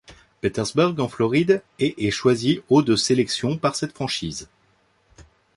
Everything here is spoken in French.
Petersburg en Floride et est choisi au de sélection par cette franchise.